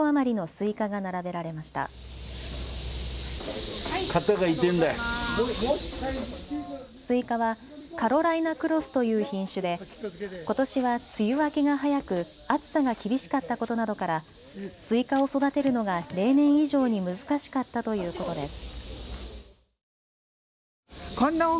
スイカはカロライナクロスという品種で、ことしは梅雨明けが早く暑さが厳しかったことなどからスイカを育てるのが例年以上に難しかったということです。